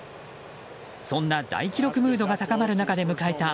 そんな大記録ムードが高まる中で迎えた